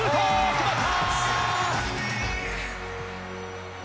決まった！